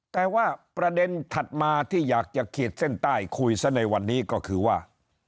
แต่ว่าประเด็นถัดมาที่อยากจะขีดเส้นใต้คุยซะในวันนี้ก็คือว่า